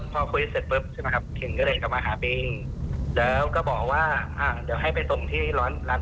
ข้างเก่งก็ให้ผมมาส่งที่นี่ครับ